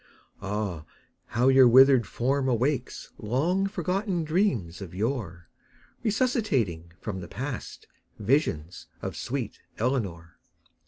Ah, how your withered form awakes Long forgotten dreams of yore Resuscitating from the past Visions of sweet Eleanor!